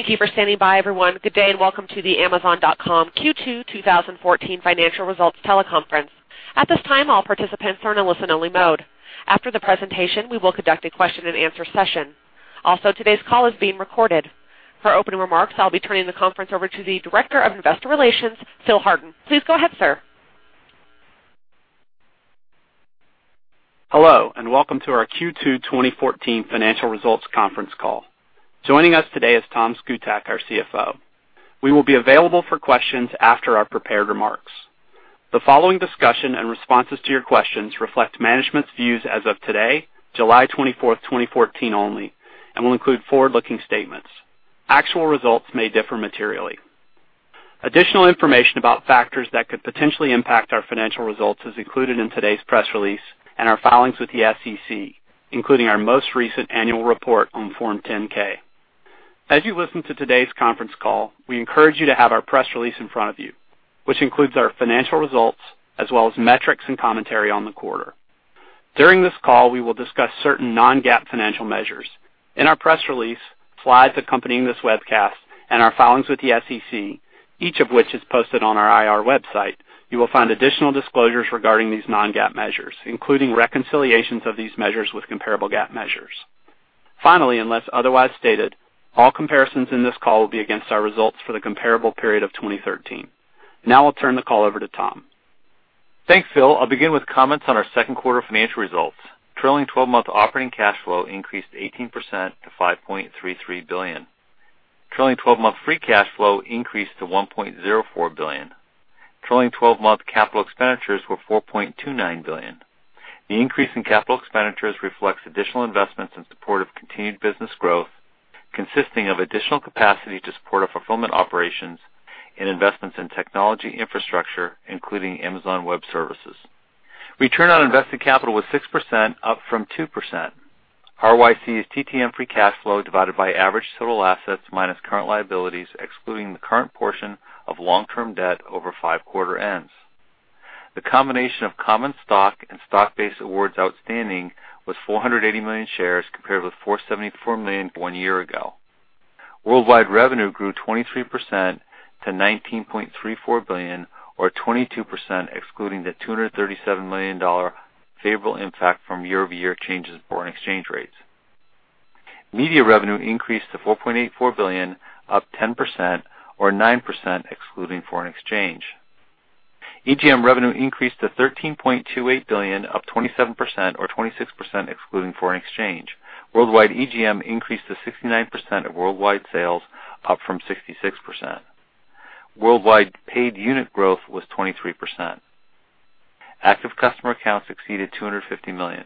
Thank you for standing by everyone. Good day, and welcome to the Amazon.com Q2 2014 financial results teleconference. At this time, all participants are in a listen-only mode. After the presentation, we will conduct a question and answer session. Also, today's call is being recorded. For opening remarks, I'll be turning the conference over to the Director of Investor Relations, Phil Hardin. Please go ahead, sir. Hello, and welcome to our Q2 2014 financial results conference call. Joining us today is Tom Szkutak, our CFO. We will be available for questions after our prepared remarks. The following discussion and responses to your questions reflect management's views as of today, July 24th, 2014 only, and will include forward-looking statements. Actual results may differ materially. Additional information about factors that could potentially impact our financial results is included in today's press release and our filings with the SEC, including our most recent annual report on Form 10-K. As you listen to today's conference call, we encourage you to have our press release in front of you, which includes our financial results as well as metrics and commentary on the quarter. During this call, we will discuss certain non-GAAP financial measures. In our press release, slides accompanying this webcast, and our filings with the SEC, each of which is posted on our IR website, you will find additional disclosures regarding these non-GAAP measures, including reconciliations of these measures with comparable GAAP measures. Finally, unless otherwise stated, all comparisons in this call will be against our results for the comparable period of 2013. Now I'll turn the call over to Tom. Thanks, Phil. I'll begin with comments on our second quarter financial results. Trailing 12-month operating cash flow increased 18% to $5.33 billion. Trailing 12-month free cash flow increased to $1.04 billion. Trailing 12-month capital expenditures were $4.29 billion. The increase in capital expenditures reflects additional investments in support of continued business growth consisting of additional capacity to support our fulfillment operations and investments in technology infrastructure, including Amazon Web Services. Return on invested capital was 6% up from 2%. ROIC is TTM free cash flow divided by average total assets minus current liabilities, excluding the current portion of long-term debt over five quarter ends. The combination of common stock and stock-based awards outstanding was 480 million shares compared with 474 million one year ago. Worldwide revenue grew 23% to $19.34 billion, or 22% excluding the $237 million favorable impact from year-over-year changes in foreign exchange rates. Media revenue increased to $4.84 billion, up 10% or 9% excluding foreign exchange. EGM revenue increased to $13.28 billion, up 27% or 26% excluding foreign exchange. Worldwide EGM increased to 69% of worldwide sales, up from 66%. Worldwide paid unit growth was 23%. Active customer accounts exceeded 250 million.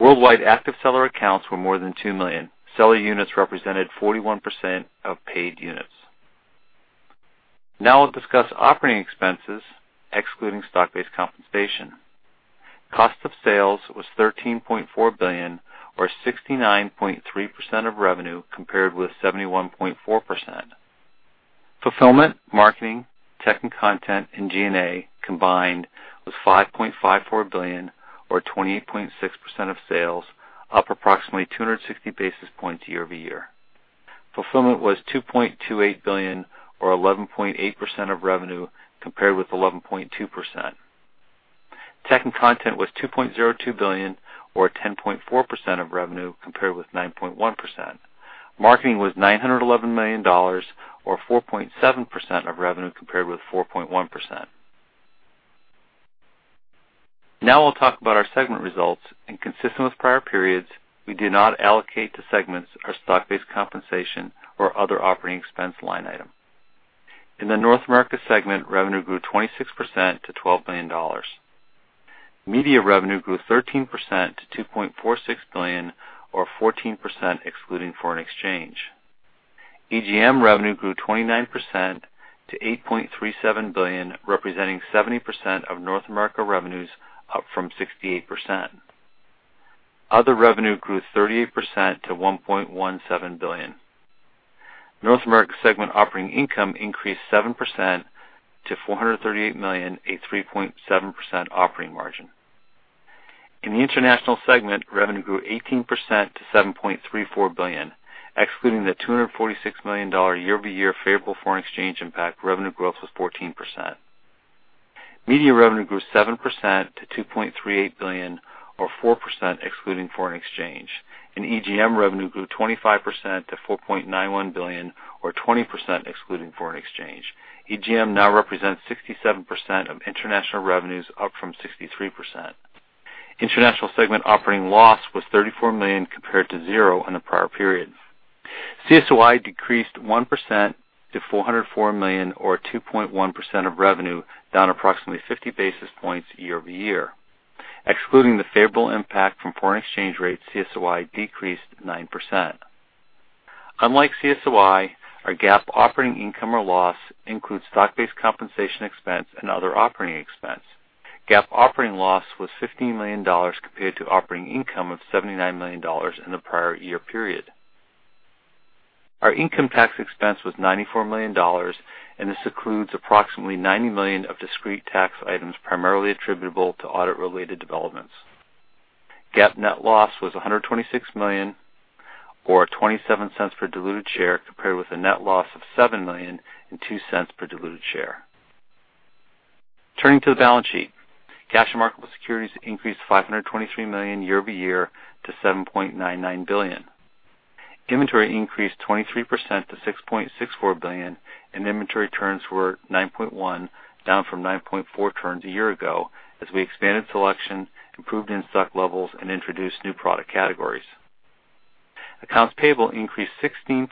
Worldwide active seller accounts were more than 2 million. Seller units represented 41% of paid units. I'll discuss operating expenses excluding stock-based compensation. Cost of sales was $13.4 billion, or 69.3% of revenue, compared with 71.4%. Fulfillment, marketing, tech and content, and G&A combined was $5.54 billion or 28.6% of sales, up approximately 260 basis points year-over-year. Fulfillment was $2.28 billion or 11.8% of revenue, compared with 11.2%. Tech and content was $2.02 billion or 10.4% of revenue, compared with 9.1%. Marketing was $911 million or 4.7% of revenue compared with 4.1%. I'll talk about our segment results. Consistent with prior periods, we do not allocate to segments our stock-based compensation or other operating expense line item. In the North America segment, revenue grew 26% to $12 billion. Media revenue grew 13% to $2.46 billion or 14% excluding foreign exchange. EGM revenue grew 29% to $8.37 billion, representing 70% of North America revenues up from 68%. Other revenue grew 38% to $1.17 billion. North America segment operating income increased 7% to $438 million, a 3.7% operating margin. In the international segment, revenue grew 18% to $7.34 billion, excluding the $246 million year-over-year favorable foreign exchange impact, revenue growth was 14%. Media revenue grew 7% to $2.38 billion or 4% excluding foreign exchange. EGM revenue grew 25% to $4.91 billion or 20% excluding foreign exchange. EGM now represents 67% of international revenues, up from 63%. International segment operating loss was $34 million compared to zero in the prior period. CSOI decreased 1% to $404 million or 2.1% of revenue, down approximately 50 basis points year-over-year. Excluding the favorable impact from foreign exchange rates, CSOI decreased 9%. Unlike CSOI, our GAAP operating income or loss includes stock-based compensation expense and other operating expense. GAAP operating loss was $15 million compared to operating income of $79 million in the prior year period. Our income tax expense was $94 million. This includes approximately $90 million of discrete tax items primarily attributable to audit-related developments. GAAP net loss was $126 million or $0.27 per diluted share compared with a net loss of $7 million and $0.02 per diluted share. Turning to the balance sheet. Cash and marketable securities increased $523 million year-over-year to $7.99 billion. Inventory increased 23% to $6.64 billion. Inventory turns were 9.1, down from 9.4 turns a year ago, as we expanded selection, improved in-stock levels, and introduced new product categories. Accounts payable increased 16%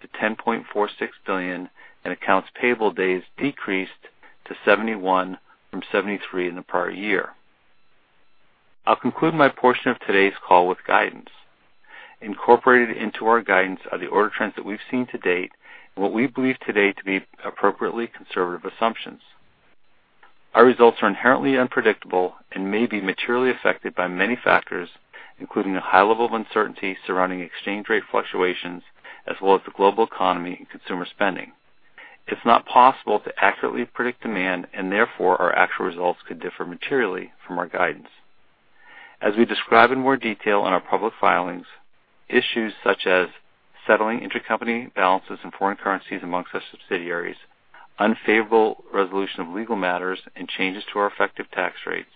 to $10.46 billion. Accounts payable days decreased to 71 from 73 in the prior year. I'll conclude my portion of today's call with guidance. Incorporated into our guidance are the order trends that we've seen to date and what we believe today to be appropriately conservative assumptions. Our results are inherently unpredictable and may be materially affected by many factors, including a high level of uncertainty surrounding exchange rate fluctuations as well as the global economy and consumer spending. It's not possible to accurately predict demand. Therefore, our actual results could differ materially from our guidance. As we describe in more detail in our public filings, issues such as settling intercompany balances in foreign currencies amongst our subsidiaries, unfavorable resolution of legal matters, and changes to our effective tax rates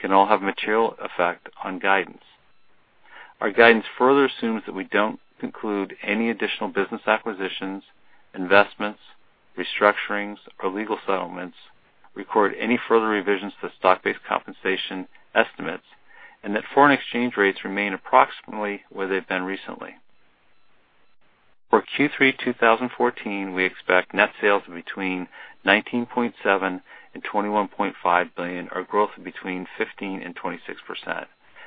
can all have a material effect on guidance. Our guidance further assumes that we don't conclude any additional business acquisitions, investments, restructurings, or legal settlements, record any further revisions to stock-based compensation estimates, and that foreign exchange rates remain approximately where they've been recently. For Q3 2014, we expect net sales of between $19.7 billion and $21.5 billion, or growth of between 15% and 26%.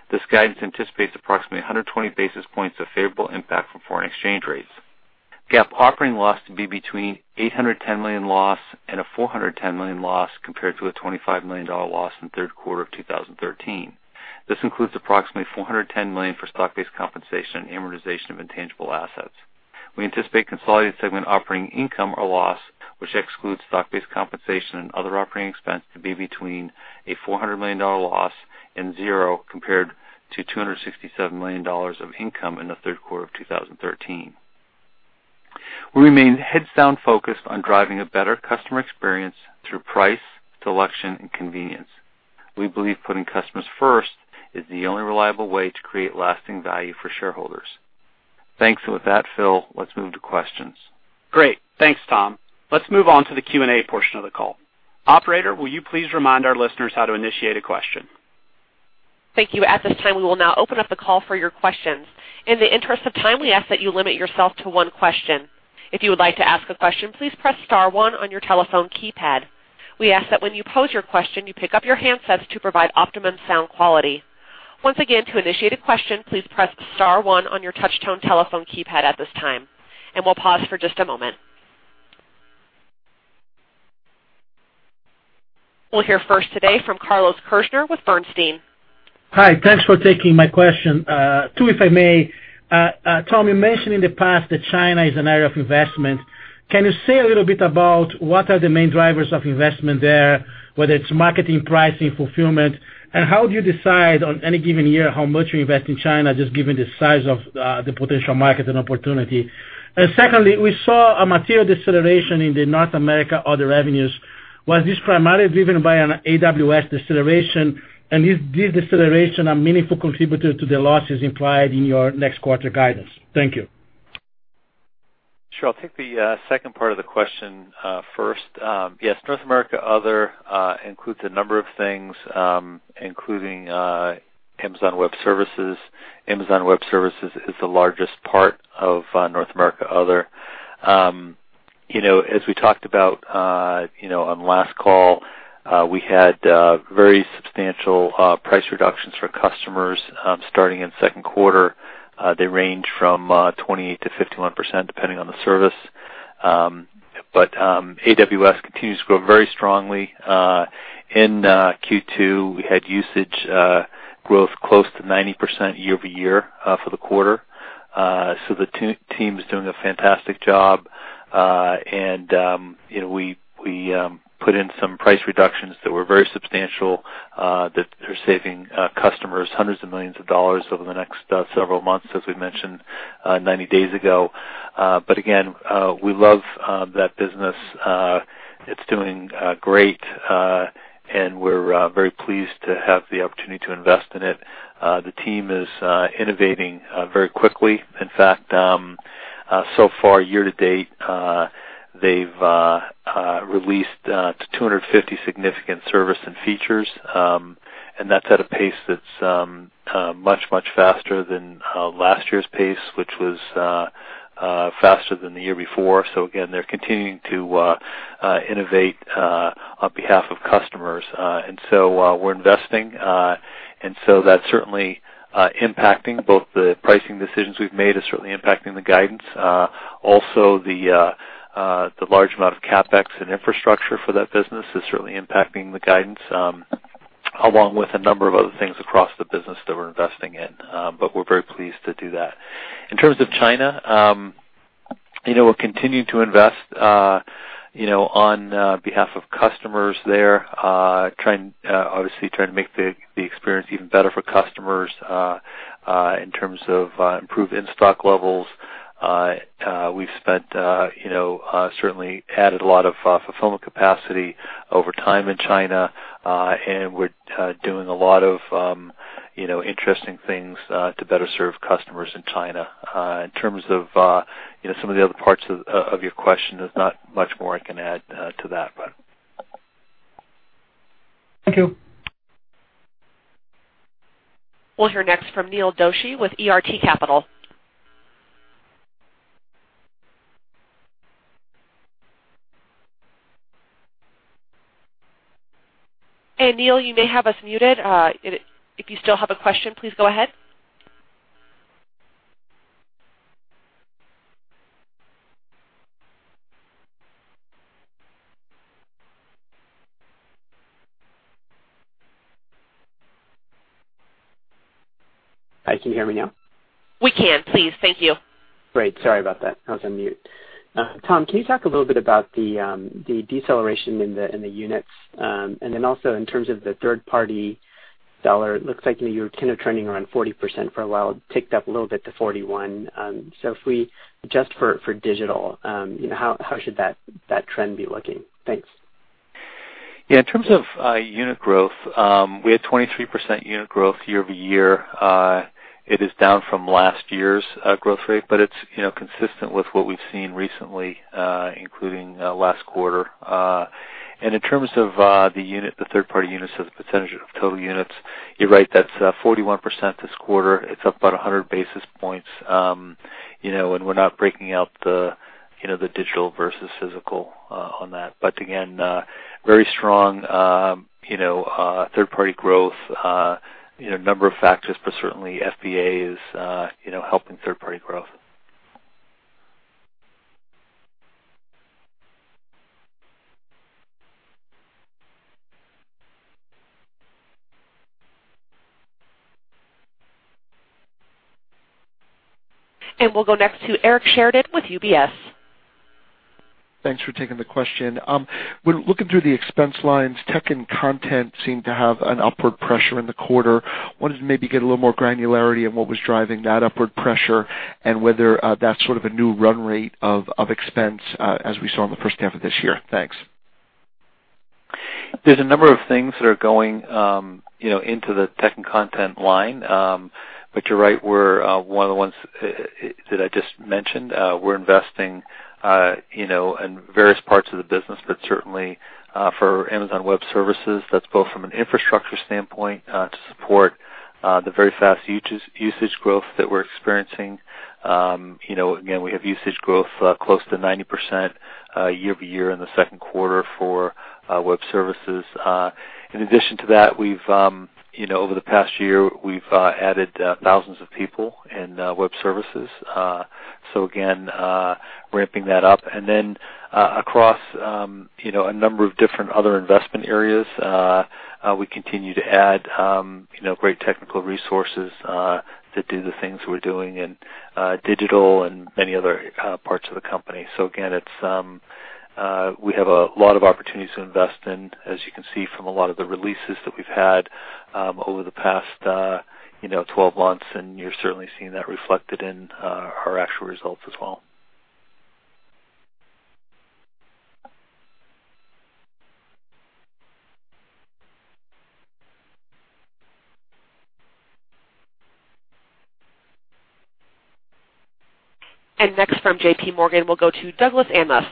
This guidance anticipates approximately 120 basis points of favorable impact from foreign exchange rates. GAAP operating loss to be between an $810 million loss and a $410 million loss compared to a $25 million loss in the third quarter of 2013. This includes approximately $410 million for stock-based compensation and amortization of intangible assets. We anticipate consolidated segment operating income or loss, which excludes stock-based compensation and other operating expense, to be between a $400 million loss and zero compared to $267 million of income in the third quarter of 2013. We remain heads-down focused on driving a better customer experience through price, selection, and convenience. We believe putting customers first is the only reliable way to create lasting value for shareholders. Thanks. With that, Phil, let's move to questions. Great. Thanks, Tom. Let's move on to the Q&A portion of the call. Operator, will you please remind our listeners how to initiate a question? Thank you. At this time, we will now open up the call for your questions. In the interest of time, we ask that you limit yourself to one question. If you would like to ask a question, please press star one on your telephone keypad. We ask that when you pose your question, you pick up your handsets to provide optimum sound quality. Once again, to initiate a question, please press star one on your touch-tone telephone keypad at this time, and we'll pause for just a moment. We'll hear first today from Carlos Kirjner with Bernstein. Hi. Thanks for taking my question. Two, if I may. Tom, you mentioned in the past that China is an area of investment. Can you say a little bit about what are the main drivers of investment there, whether it's marketing, pricing, fulfillment? How do you decide on any given year how much you invest in China, just given the size of the potential market and opportunity? Secondly, we saw a material deceleration in the North America other revenues. Was this primarily driven by an AWS deceleration, and is this deceleration a meaningful contributor to the losses implied in your next quarter guidance? Thank you. Sure. I'll take the second part of the question first. Yes, North America other includes a number of things, including Amazon Web Services. Amazon Web Services is the largest part of North America other. As we talked about on the last call, we had very substantial price reductions for customers starting in the second quarter. They range from 28%-51%, depending on the service. AWS continues to grow very strongly. In Q2, we had usage growth close to 90% year-over-year for the quarter. The team's doing a fantastic job, and we put in some price reductions that were very substantial that are saving customers hundreds of millions of dollars over the next several months, as we mentioned 90 days ago. Again, we love that business. It's doing great, and we're very pleased to have the opportunity to invest in it. The team is innovating very quickly. In fact, so far year-to-date, they've released 250 significant services and features, and that's at a pace that's much, much faster than last year's pace, which was faster than the year before. Again, they're continuing to innovate on behalf of customers. We're investing, so that's certainly impacting both the pricing decisions we've made. It's certainly impacting the guidance. Also, the large amount of CapEx and infrastructure for that business is certainly impacting the guidance. Along with a number of other things across the business that we're investing in. We're very pleased to do that. In terms of China, we're continuing to invest on behalf of customers there, obviously trying to make the experience even better for customers, in terms of improved in-stock levels. We've certainly added a lot of fulfillment capacity over time in China. We're doing a lot of interesting things to better serve customers in China. In terms of some of the other parts of your question, there's not much more I can add to that. Thank you. We'll hear next from Neil Doshi with CRT Capital. Neil, you may have us muted. If you still have a question, please go ahead. Hi, can you hear me now? We can, please. Thank you. Great. Sorry about that. I was on mute. Tom, can you talk a little bit about the deceleration in the units, and then also in terms of the third-party dollar, it looks like you were kind of trending around 40% for a while. It ticked up a little bit to 41%. If we adjust for digital, how should that trend be looking? Thanks. Yeah. In terms of unit growth, we had 23% unit growth year-over-year. It is down from last year's growth rate, but it's consistent with what we've seen recently, including last quarter. In terms of the third-party units as a percentage of total units, you're right, that's 41% this quarter. It's up about 100 basis points. We're not breaking out the digital versus physical on that. Again, very strong third-party growth, a number of factors, but certainly FBA is helping third-party growth. We'll go next to Eric Sheridan with UBS. Thanks for taking the question. When looking through the expense lines, tech and content seem to have an upward pressure in the quarter. Wanted to maybe get a little more granularity on what was driving that upward pressure and whether that's sort of a new run rate of expense as we saw in the first half of this year. Thanks. There's a number of things that are going into the tech and content line. You're right, we're one of the ones that I just mentioned. We're investing in various parts of the business, but certainly for Amazon Web Services, that's both from an infrastructure standpoint to support the very fast usage growth that we're experiencing. Again, we have usage growth close to 90% year-over-year in the second quarter for Web Services. In addition to that, over the past year, we've added thousands of people in Web Services. Again, ramping that up. Across a number of different other investment areas, we continue to add great technical resources to do the things we're doing in digital and many other parts of the company. Again, we have a lot of opportunities to invest in, as you can see from a lot of the releases that we've had over the past 12 months, and you're certainly seeing that reflected in our actual results as well. Next from JP Morgan, we'll go to Douglas Anmuth.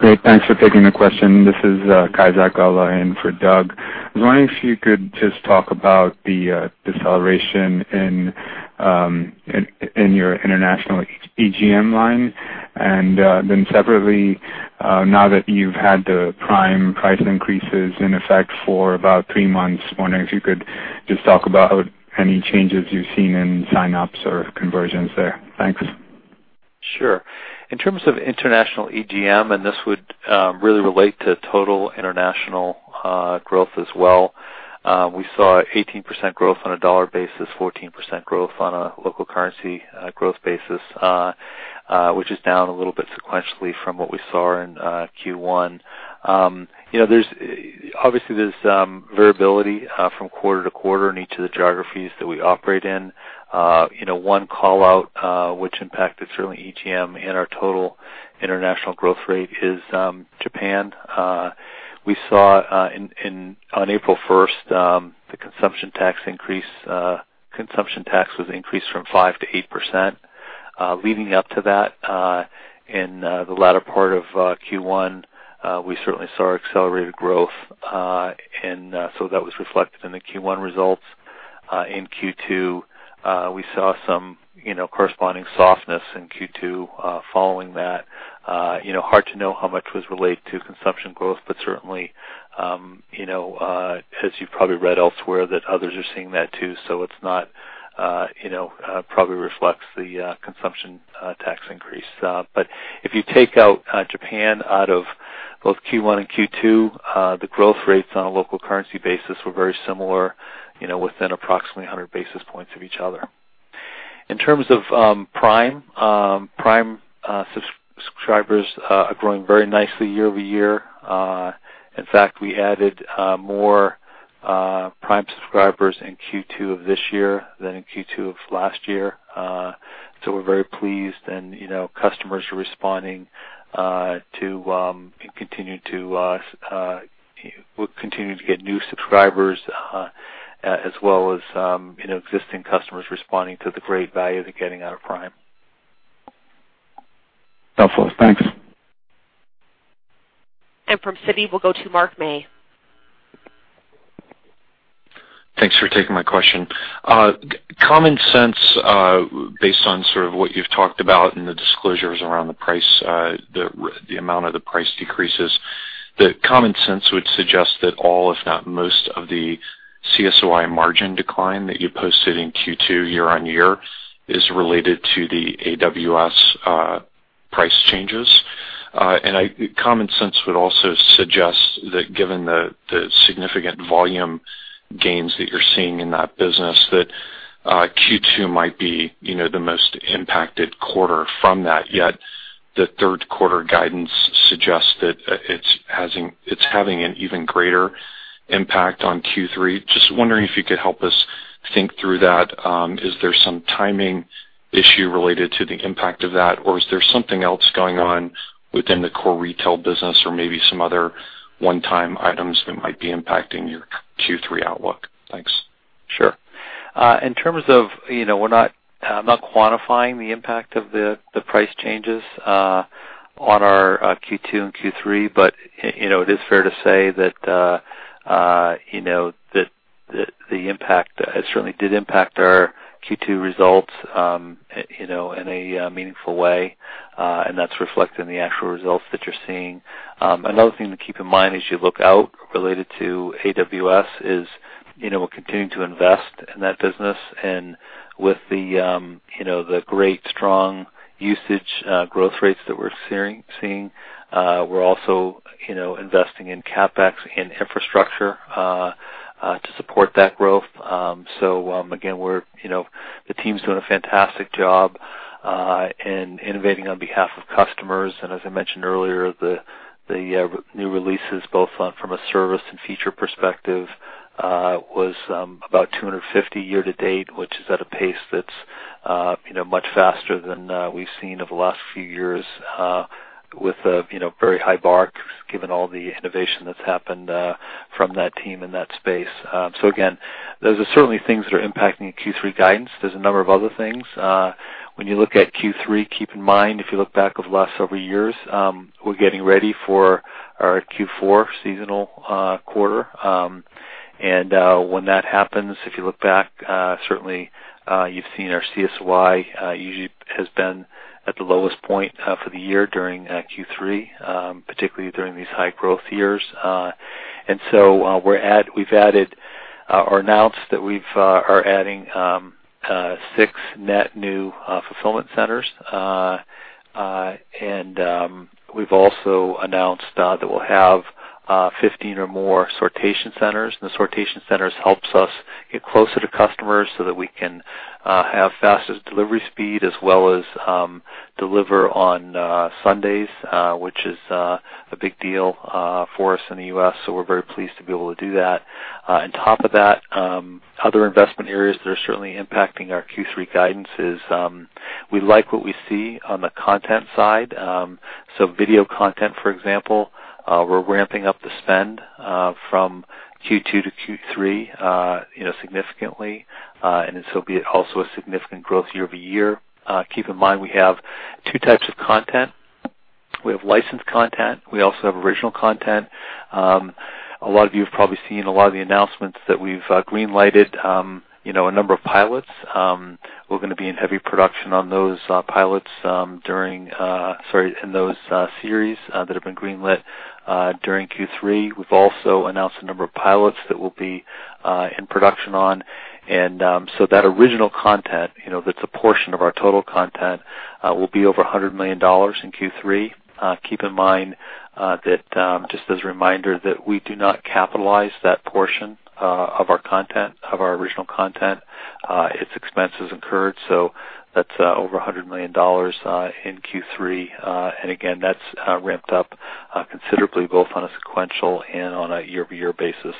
Great. Thanks for taking the question. This is Kaizad Gotla in for Doug. I was wondering if you could just talk about the deceleration in your international EGM line. Separately, now that you've had the Prime price increases in effect for about three months, wondering if you could just talk about any changes you've seen in sign-ups or conversions there. Thanks. Sure. In terms of international EGM, this would really relate to total international growth as well, we saw 18% growth on a dollar basis, 14% growth on a local currency growth basis, which is down a little bit sequentially from what we saw in Q1. Obviously, there is variability from quarter-to-quarter in each of the geographies that we operate in. One call-out which impacted certainly EGM and our total international growth rate is Japan. We saw on April 1st, the consumption tax was increased from 5% to 8%. Leading up to that, in the latter part of Q1, we certainly saw accelerated growth, that was reflected in the Q1 results. In Q2, we saw some corresponding softness in Q2 following that. Hard to know how much was related to consumption growth, certainly, as you have probably read elsewhere that others are seeing that too, it probably reflects the consumption tax increase. If you take out Japan out of both Q1 and Q2, the growth rates on a local currency basis were very similar, within approximately 100 basis points of each other. In terms of Prime subscribers are growing very nicely year-over-year. In fact, we added more Prime subscribers in Q2 of this year than in Q2 of last year. We are very pleased, and customers are responding and we are continuing to get new subscribers, as well as existing customers responding to the great value they are getting out of Prime. Helpful. Thanks. From Citi, we will go to Mark May. Thanks for taking my question. Common sense, based on sort of what you've talked about and the disclosures around the amount of the price decreases, the common sense would suggest that all, if not most, of the CSOI margin decline that you posted in Q2 year-on-year is related to the AWS price changes. Common sense would also suggest that given the significant volume gains that you're seeing in that business, that Q2 might be the most impacted quarter from that, yet the third quarter guidance suggests that it's having an even greater impact on Q3. Just wondering if you could help us think through that. Is there some timing issue related to the impact of that, or is there something else going on within the core retail business or maybe some other one-time items that might be impacting your Q3 outlook? Thanks. Sure. In terms of, we're not quantifying the impact of the price changes on our Q2 and Q3, but it is fair to say that the impact certainly did impact our Q2 results in a meaningful way. That's reflected in the actual results that you're seeing. Another thing to keep in mind as you look out related to AWS is, we're continuing to invest in that business. With the great strong usage growth rates that we're seeing, we're also investing in CapEx and infrastructure to support that growth. Again, the team's doing a fantastic job in innovating on behalf of customers. As I mentioned earlier, the new releases, both from a service and feature perspective, was about 250 year-to-date, which is at a pace that's much faster than we've seen over the last few years with very high bar, given all the innovation that's happened from that team in that space. Again, those are certainly things that are impacting Q3 guidance. There's a number of other things. When you look at Q3, keep in mind, if you look back over the last several years, we're getting ready for our Q4 seasonal quarter. When that happens, if you look back, certainly you've seen our CSOI usually has been at the lowest point for the year during Q3, particularly during these high-growth years. So we've added or announced that we are adding six net new fulfillment centers. We've also announced that we'll have 15 or more sortation centers. The sortation centers helps us get closer to customers so that we can have faster delivery speed as well as deliver on Sundays, which is a big deal for us in the U.S. We're very pleased to be able to do that. On top of that, other investment areas that are certainly impacting our Q3 guidance is, we like what we see on the content side. Video content, for example, we're ramping up the spend from Q2 to Q3 significantly. This will be also a significant growth year-over-year. Keep in mind, we have 2 types of content. We have licensed content. We also have original content. A lot of you have probably seen a lot of the announcements that we've green-lighted a number of pilots. We're going to be in heavy production on those pilots during, sorry, in those series that have been green-lit during Q3. We've also announced a number of pilots that we'll be in production on. That original content, that's a portion of our total content, will be over $100 million in Q3. Keep in mind that, just as a reminder, that we do not capitalize that portion of our original content. Its expense is incurred, so that's over $100 million in Q3. Again, that's ramped up considerably, both on a sequential and on a year-over-year basis.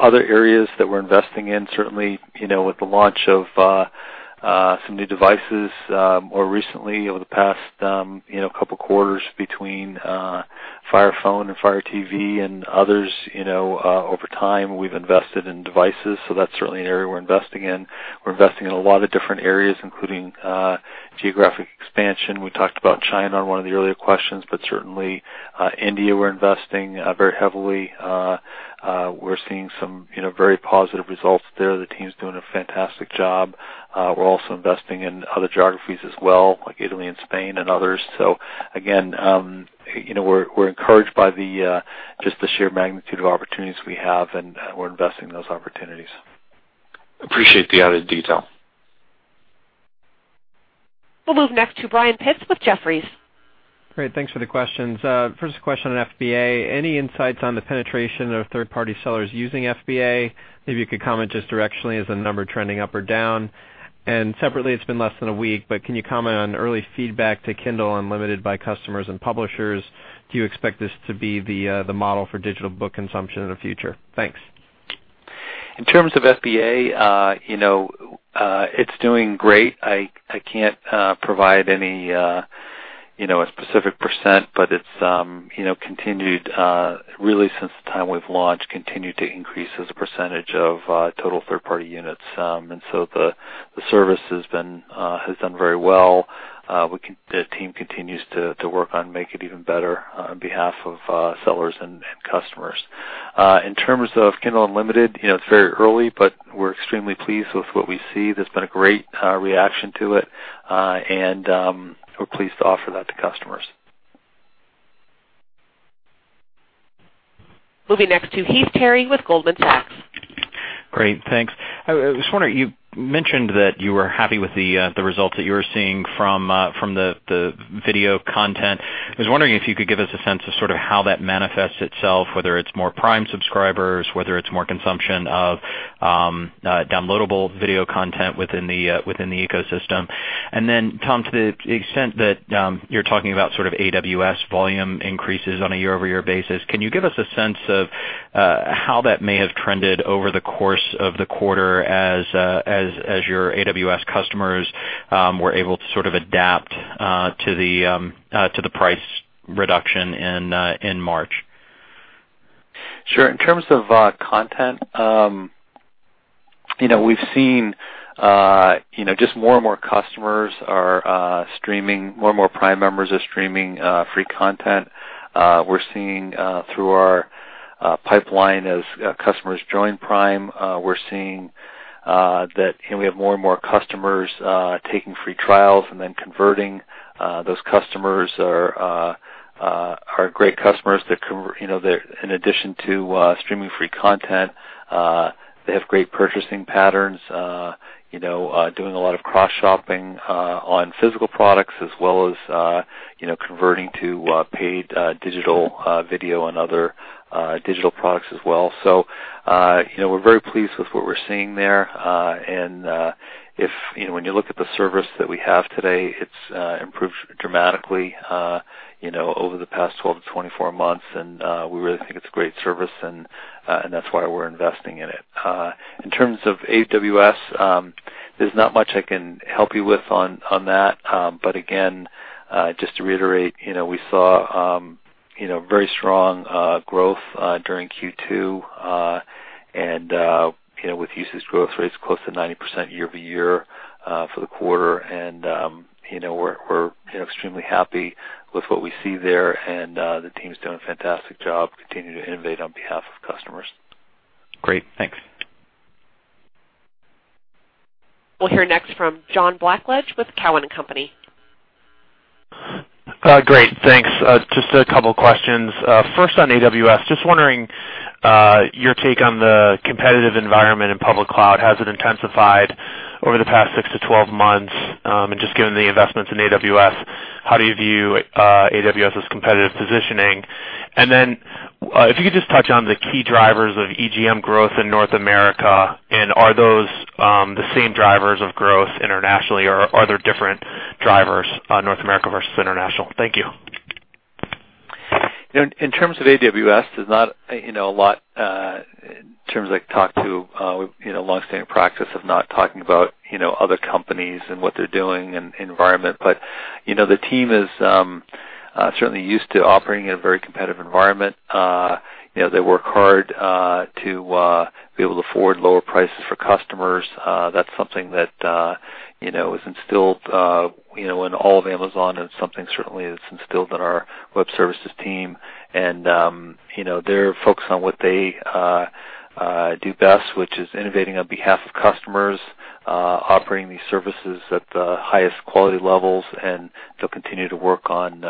Other areas that we're investing in, certainly with the launch of some new devices, more recently over the past couple of quarters between Fire Phone and Fire TV and others, over time, we've invested in devices. That's certainly an area we're investing in. We're investing in a lot of different areas, including geographic expansion. We talked about China on one of the earlier questions, but certainly India, we're investing very heavily. We're seeing some very positive results there. The team's doing a fantastic job. We're also investing in other geographies as well, like Italy and Spain and others. Again, we're encouraged by just the sheer magnitude of opportunities we have, and we're investing in those opportunities. Appreciate the added detail. We'll move next to Brian Pitz with Jefferies. Great. Thanks for the questions. First question on FBA. Any insights on the penetration of third-party sellers using FBA? Maybe you could comment just directionally as a number trending up or down. Separately, it's been less than a week, but can you comment on early feedback to Kindle Unlimited by customers and publishers? Do you expect this to be the model for digital book consumption in the future? Thanks. In terms of FBA, it's doing great. I can't provide any specific %, but it's continued, really since the time we've launched, continued to increase as a percentage of total third-party units. The service has done very well. The team continues to work on making it even better on behalf of sellers and customers. In terms of Kindle Unlimited, it's very early, but we're extremely pleased with what we see. There's been a great reaction to it, and we're pleased to offer that to customers. Moving next to Heath Terry with Goldman Sachs. Great. Thanks. I was wondering, you mentioned that you were happy with the results that you were seeing from the video content. I was wondering if you could give us a sense of sort of how that manifests itself, whether it's more Prime subscribers, whether it's more consumption of downloadable video content within the ecosystem. Tom, to the extent that you're talking about sort of AWS volume increases on a year-over-year basis, can you give us a sense of how that may have trended over the course of the quarter as your AWS customers were able to sort of adapt to the price reduction in March? Sure. In terms of content, we've seen just more and more Prime members are streaming free content. We're seeing through our pipeline as customers join Prime, we're seeing that we have more and more customers taking free trials and then converting. Those customers are great customers that in addition to streaming free content, they have great purchasing patterns, doing a lot of cross-shopping on physical products as well as converting to paid digital video and other digital products as well. We're very pleased with what we're seeing there. When you look at the service that we have today, it's improved dramatically over the past 12 to 24 months, and we really think it's a great service, and that's why we're investing in it. In terms of AWS, there's not much I can help you with on that. Again, just to reiterate, we saw very strong growth during Q2, and with usage growth rates close to 90% year-over-year for the quarter, and we're extremely happy with what we see there, and the team's doing a fantastic job continuing to innovate on behalf of customers. Great. Thanks. We'll hear next from John Blackledge with Cowen and Company. Great. Thanks. Just a couple of questions. First on AWS, just wondering your take on the competitive environment in public cloud. Has it intensified over the past 6 to 12 months? Just given the investments in AWS, how do you view AWS' competitive positioning? If you could just touch on the key drivers of EGM growth in North America, are those the same drivers of growth internationally, or are there different drivers, North America versus international? Thank you. In terms of AWS, there's not a lot in terms I could talk to, long-standing practice of not talking about other companies and what they're doing and environment. The team is certainly used to operating in a very competitive environment. They work hard to be able to afford lower prices for customers. That's something that is instilled in all of Amazon and something certainly that's instilled in our web services team. They're focused on what they do best, which is innovating on behalf of customers, offering these services at the highest quality levels, and they'll continue to work on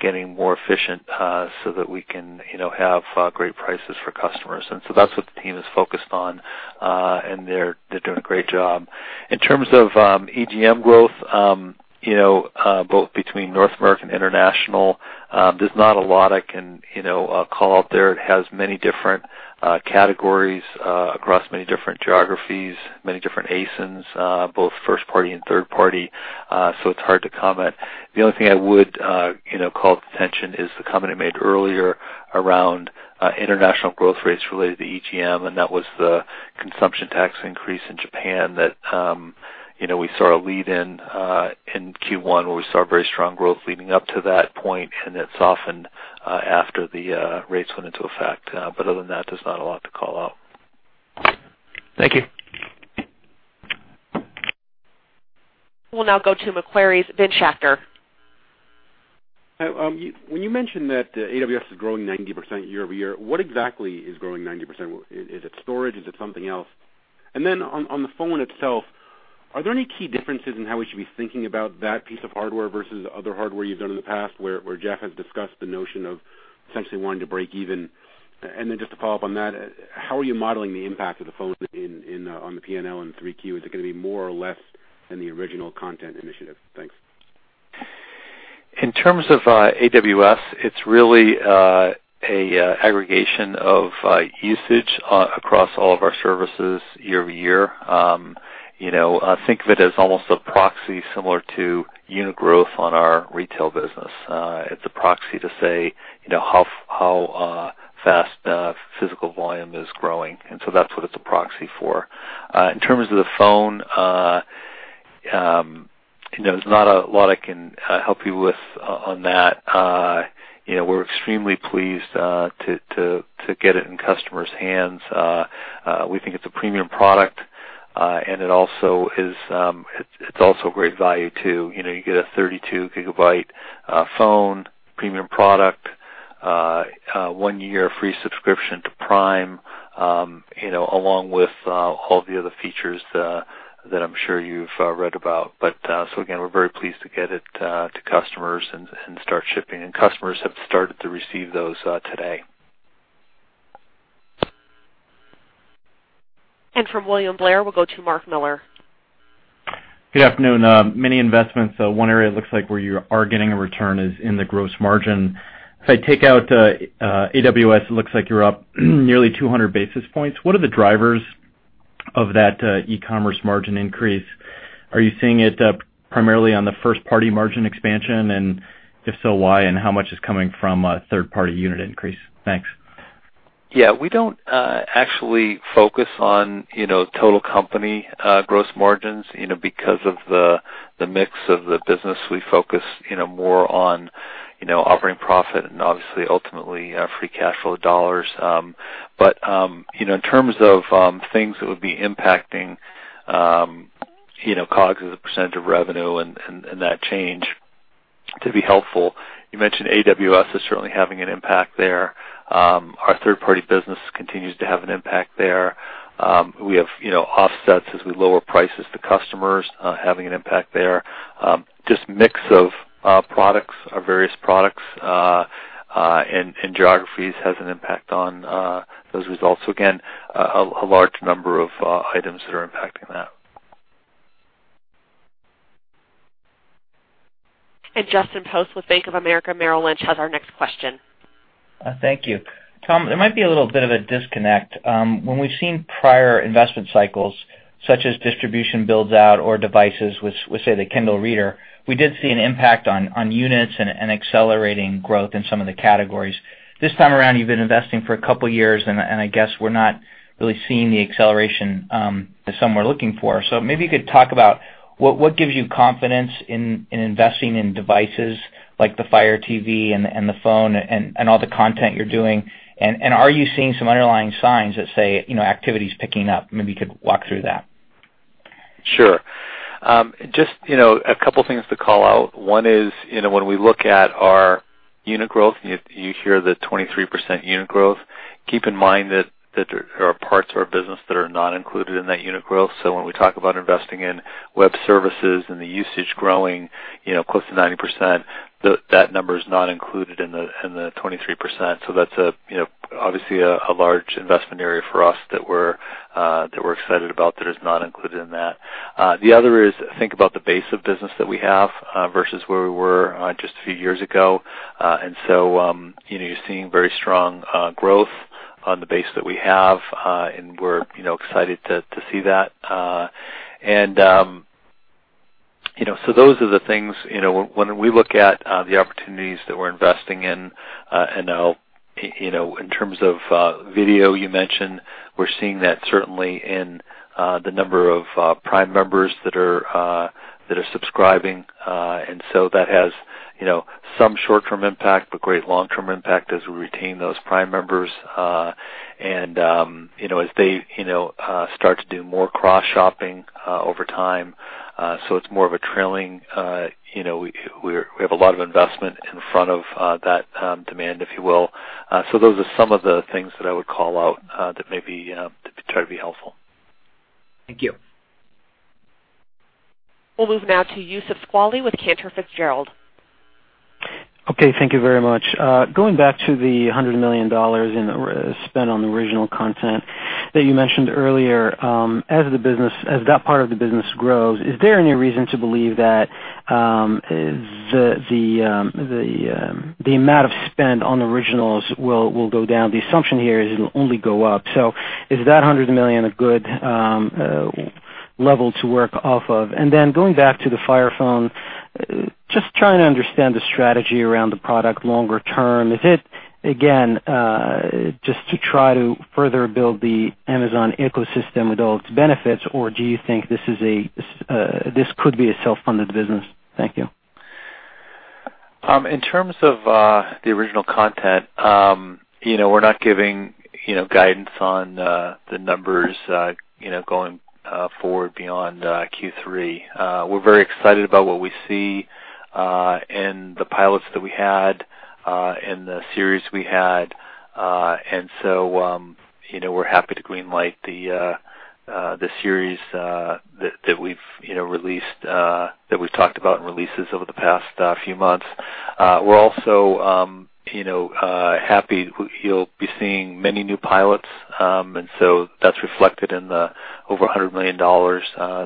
getting more efficient so that we can have great prices for customers. That's what the team is focused on, and they're doing a great job. In terms of EGM growth, both between North America and International, there's not a lot I can call out there. It has many different categories across many different geographies, many different ASINs, both first party and third party, so it's hard to comment. The only thing I would call attention is the comment I made earlier around international growth rates related to EGM, that was the consumption tax increase in Japan that we saw a lead in in Q1 where we saw very strong growth leading up to that point, and it softened after the rates went into effect. Other than that, there's not a lot to call out. Thank you. We'll now go to Macquarie's Ben Schachter. When you mentioned that AWS is growing 90% year-over-year, what exactly is growing 90%? Is it storage? Is it something else? Then on the phone itself, are there any key differences in how we should be thinking about that piece of hardware versus other hardware you've done in the past where Jeff has discussed the notion of essentially wanting to break even? Then just to follow up on that, how are you modeling the impact of the phone on the P&L in 3Q? Is it going to be more or less than the original content initiative? Thanks. In terms of AWS, it's really an aggregation of usage across all of our services year-over-year. Think of it as almost a proxy similar to unit growth on our retail business. So that's what it's a proxy for. In terms of the phone, there's not a lot I can help you with on that. We're extremely pleased to get it in customers' hands. We think it's a premium product, and it's also a great value too. You get a 32-gigabyte phone, premium product, one-year free subscription to Prime, along with all the other features that I'm sure you've read about. Again, we're very pleased to get it to customers and start shipping. Customers have started to receive those today. From William Blair, we'll go to Mark Miller. Good afternoon. Many investments, one area it looks like where you are getting a return is in the gross margin. If I take out AWS, it looks like you're up nearly 200 basis points. What are the drivers of that e-commerce margin increase? Are you seeing it primarily on the first-party margin expansion? If so, why? How much is coming from a third-party unit increase? Thanks. Yeah. We don't actually focus on total company gross margins because of the mix of the business. We focus more on offering profit and obviously ultimately free cash flow dollars. In terms of things that would be impacting COGS as a % of revenue and that change to be helpful, you mentioned AWS is certainly having an impact there. Our third-party business continues to have an impact there. We have offsets as we lower prices to customers having an impact there. Just mix of products, our various products, and geographies has an impact on those results. Again, a large number of items that are impacting that. Justin Post with Bank of America Merrill Lynch has our next question. Thank you. Tom, there might be a little bit of a disconnect. When we've seen prior investment cycles, such as distribution builds out or devices with, say, the Kindle, we did see an impact on units and accelerating growth in some of the categories. This time around, you've been investing for a couple of years, and I guess we're not really seeing the acceleration that some were looking for. Maybe you could talk about what gives you confidence in investing in devices like the Fire TV and the phone and all the content you're doing. Are you seeing some underlying signs that say activity's picking up? Maybe you could walk through that. Sure. Just a couple of things to call out. One is when we look at our unit growth, you hear the 23% unit growth. Keep in mind that there are parts of our business that are not included in that unit growth. When we talk about investing in Web Services and the usage growing close to 90%, that number is not included in the 23%. That's obviously a large investment area for us that we're excited about that is not included in that. The other is, think about the base of business that we have versus where we were just a few years ago. You're seeing very strong growth on the base that we have, and we're excited to see that. Those are the things when we look at the opportunities that we're investing in, and now in terms of video you mentioned, we're seeing that certainly in the number of Prime members that are subscribing. That has some short-term impact, but great long-term impact as we retain those Prime members, and as they start to do more cross-shopping over time. It's more of a trailing, we have a lot of investment in front of that demand, if you will. Those are some of the things that I would call out that maybe to try to be helpful. Thank you. We'll move now to Youssef Squali with Cantor Fitzgerald. Okay. Thank you very much. Going back to the $100 million in spend on original content that you mentioned earlier, as that part of the business grows, is there any reason to believe that the amount of spend on originals will go down? The assumption here is it'll only go up. Is that $100 million a good level to work off of? Going back to the Fire Phone, just trying to understand the strategy around the product longer term. Is it, again, just to try to further build the Amazon ecosystem with all its benefits, or do you think this could be a self-funded business? Thank you. In terms of the original content, we're not giving guidance on the numbers going forward beyond Q3. We're very excited about what we see in the pilots that we had and the series we had. We're happy to green-light the series that we've talked about in releases over the past few months. We're also happy you'll be seeing many new pilots, and that's reflected in the over $100 million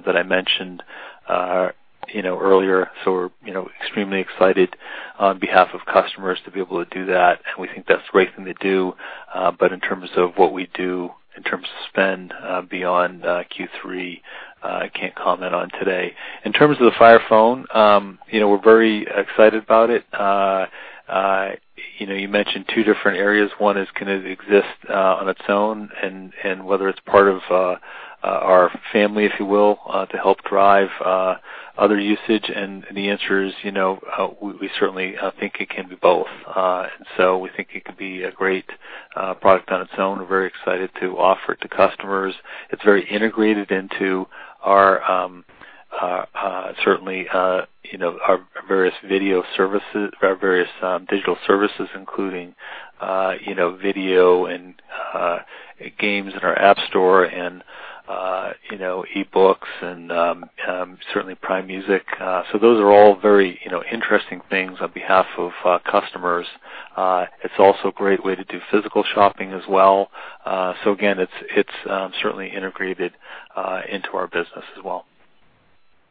that I mentioned earlier. We're extremely excited on behalf of customers to be able to do that, and we think that's a great thing to do. In terms of what we do, in terms of spend beyond Q3, I can't comment on today. In terms of the Fire Phone, we're very excited about it. You mentioned two different areas. One is, can it exist on its own and whether it's part of our family, if you will, to help drive other usage. The answer is, we certainly think it can be both. We think it could be a great product on its own. We're very excited to offer it to customers. It's very integrated into our various digital services, including video and games in our Amazon Appstore and eBooks and certainly Prime Music. Those are all very interesting things on behalf of customers. It's also a great way to do physical shopping as well. Again, it's certainly integrated into our business as well.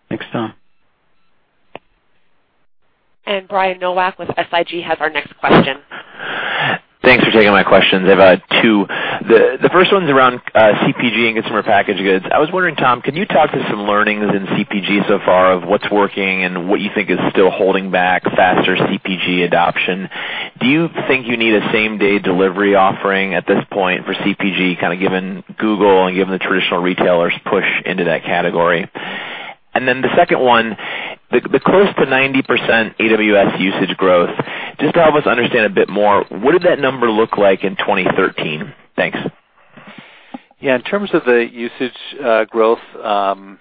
Thanks, Tom. Brian Nowak with SIG has our next question. Thanks for taking my questions. I've got two. The first one's around CPG and consumer packaged goods. I was wondering, Tom, can you talk to some learnings in CPG so far of what's working and what you think is still holding back faster CPG adoption? Do you think you need a same-day delivery offering at this point for CPG, kind of given Google and given the traditional retailers' push into that category? The second one, the close to 90% AWS usage growth. Just to help us understand a bit more, what did that number look like in 2013? Thanks. Yeah. In terms of the usage growth, the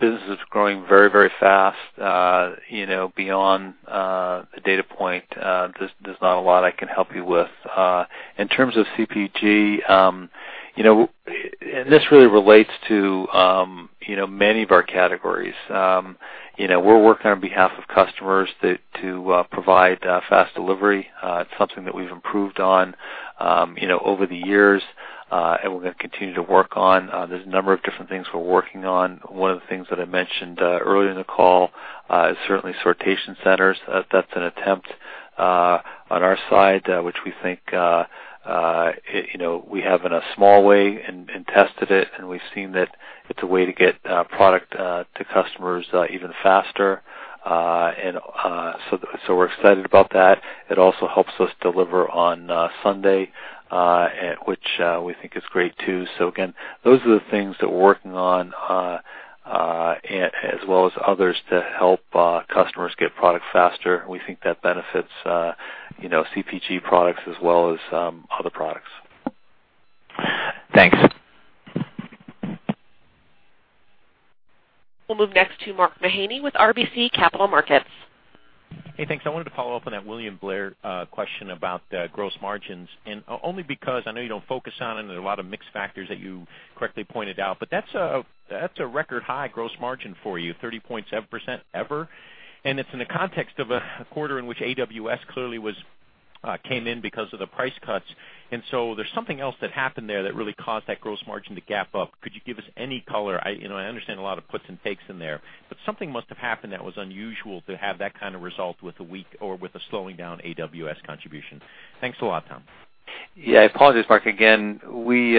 business is growing very fast. Beyond the data point, there's not a lot I can help you with. In terms of CPG, this really relates to many of our categories. We're working on behalf of customers to provide fast delivery. It's something that we've improved on over the years, and we're going to continue to work on. There's a number of different things we're working on. One of the things that I mentioned earlier in the call is certainly sortation centers. That's an attempt on our side, which we think we have in a small way and tested it, and we've seen that it's a way to get product to customers even faster. We're excited about that. It also helps us deliver on Sunday, which we think is great too. Again, those are the things that we're working on, as well as others to help customers get product faster. We think that benefits CPG products as well as other products. Thanks. We'll move next to Mark Mahaney with RBC Capital Markets. Hey, thanks. I wanted to follow up on that William Blair question about gross margins. Only because I know you don't focus on it, and there are a lot of mixed factors that you correctly pointed out. That's a record high gross margin for you, 30.7% ever. It's in the context of a quarter in which AWS clearly came in because of the price cuts. There's something else that happened there that really caused that gross margin to gap up. Could you give us any color? I understand a lot of puts and takes in there, something must have happened that was unusual to have that kind of result with a weak or with a slowing down AWS contribution. Thanks a lot, Tom. Yeah. I apologize, Mark. Again, we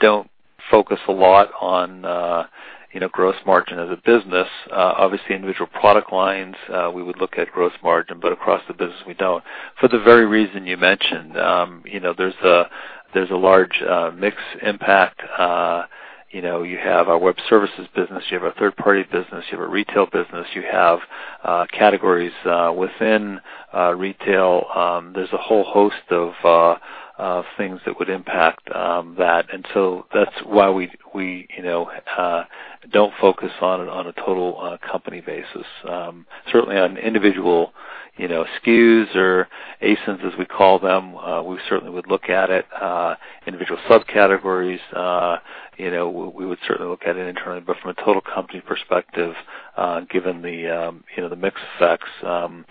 don't focus a lot on gross margin as a business. Obviously, individual product lines, we would look at gross margin, but across the business, we don't. For the very reason you mentioned, there's a large mix impact. You have our web services business, you have a third-party business, you have a retail business, you have categories within retail. There's a whole host of things that would impact that. That's why we don't focus on it on a total company basis. Certainly on individual SKUs or ASINs, as we call them, we certainly would look at it. Individual subcategories, we would certainly look at it internally. From a total company perspective, given the mix effects,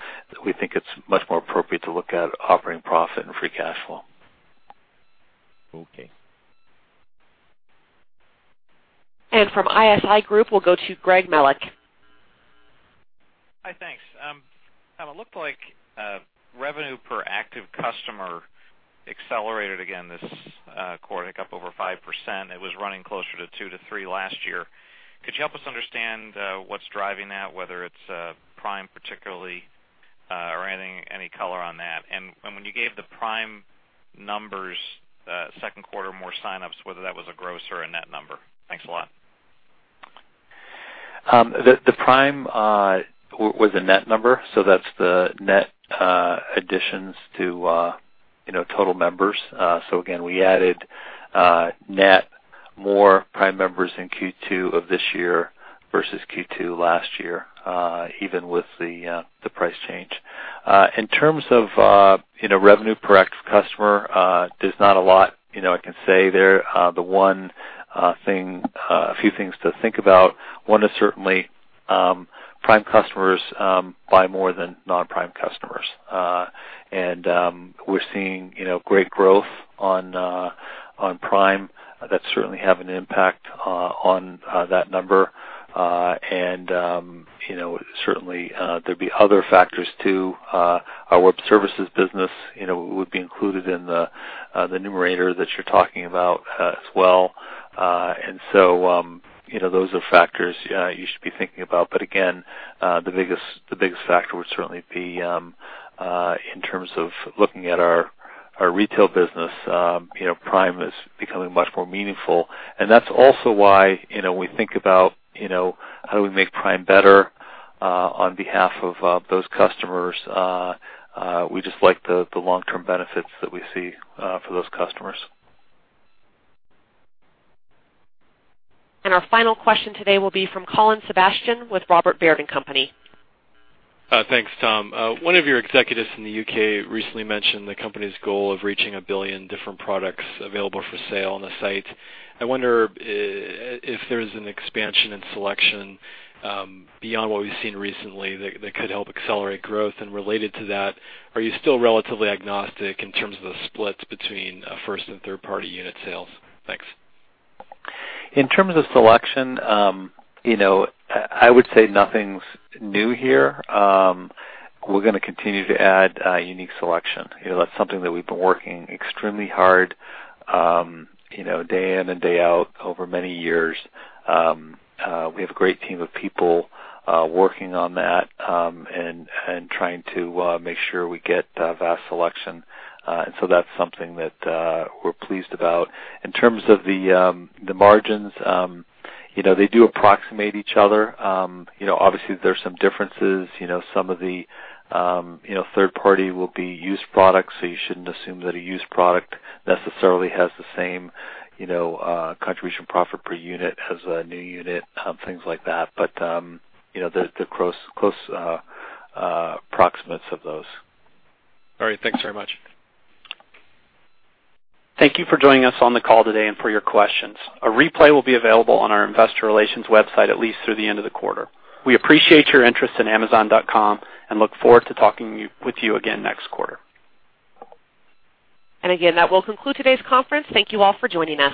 we think it's much more appropriate to look at operating profit and free cash flow. Okay. From ISI Group, we'll go to Gregory Melich. Hi. Thanks. Tom, it looked like revenue per active customer accelerated again this quarter, up over 5%. It was running closer to 2 to 3 last year. Could you help us understand what's driving that, whether it's Prime particularly, or any color on that? When you gave the Prime numbers, second quarter, more sign-ups, whether that was a gross or a net number. Thanks a lot. The Prime was a net number, that's the net additions to total members. Again, we added net more Prime members in Q2 of this year versus Q2 last year, even with the price change. In terms of revenue per active customer, there's not a lot I can say there. The few things to think about, one is certainly Prime customers buy more than non-Prime customers. We're seeing great growth on Prime that certainly have an impact on that number. Certainly, there'd be other factors, too. Our web services business would be included in the numerator that you're talking about as well. Those are factors you should be thinking about. Again, the biggest factor would certainly be in terms of looking at our retail business, Prime is becoming much more meaningful, and that's also why we think about how do we make Prime better on behalf of those customers. We just like the long-term benefits that we see for those customers. Our final question today will be from Colin Sebastian with Robert Baird & Company. Thanks, Tom. One of your executives in the U.K. recently mentioned the company's goal of reaching a billion different products available for sale on the site. I wonder if there's an expansion in selection beyond what we've seen recently that could help accelerate growth. Related to that, are you still relatively agnostic in terms of the splits between first- and third-party unit sales? Thanks. In terms of selection, I would say nothing's new here. We're going to continue to add unique selection. That's something that we've been working extremely hard day in and day out over many years. We have a great team of people working on that and trying to make sure we get vast selection. That's something that we're pleased about. In terms of the margins, they do approximate each other. Obviously, there's some differences, some of the third-party will be used products, so you shouldn't assume that a used product necessarily has the same contribution profit per unit as a new unit, things like that. But they're close approximates of those. All right. Thanks very much. Thank you for joining us on the call today and for your questions. A replay will be available on our Investor Relations website at least through the end of the quarter. We appreciate your interest in Amazon.com and look forward to talking with you again next quarter. Again, that will conclude today's conference. Thank you all for joining us.